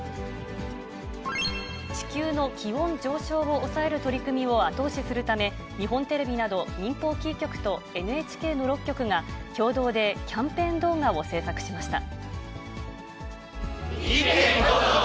地球の気温上昇を抑える取り組みを後押しするため、日本テレビなど民放キー局とＮＨＫの６局が、共同でキャンペーン動画を制作しました。